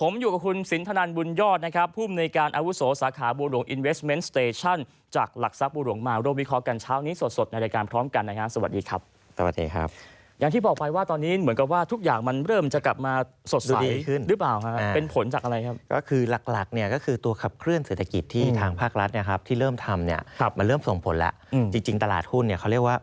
มันเริ่มส่งผลแล้วจริงตลาดหุ้นเขาเรียกว่า